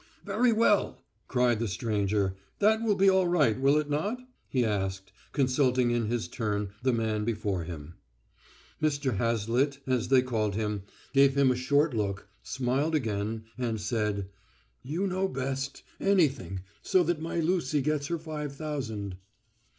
"Very well," cried the stranger; "that will be all right, will it not?" he asked, consulting in his turn the man before him. Mr. Hazlitt, as they called him, gave him a short look, smiled again, and said: "You know best; anything, so that my Lucy gets her five thousand."